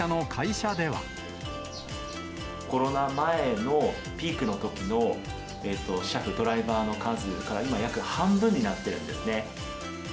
コロナ前のピークのときの車夫、ドライバーの数が今、約半分になってるんですね。